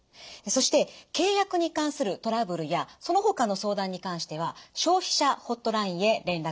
そして契約に関するトラブルやそのほかの相談に関しては消費者ホットラインへ連絡してください。